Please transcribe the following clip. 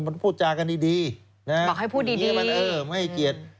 มันพูดจากันดีนะบอกให้พูดดีมันเออไม่ให้เกียรติ